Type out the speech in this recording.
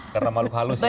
karena maluk halus ya mas